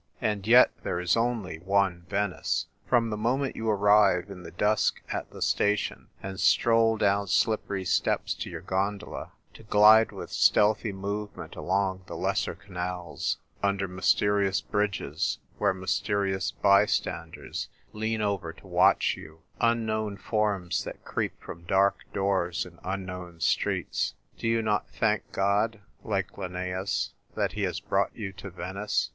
And yet there is only one Venice. From the moment you arrive in the dusk at the station, and stroll down slippery steps to your gondola, to glide with stealthy move ment along the lesser canals, under mysterious bridges where mysterious bystanders lean over to watch you, unknown forms that creep from dark doors in unknown streets — do you not thank God, like Linnaeus, that he has brought you to Venice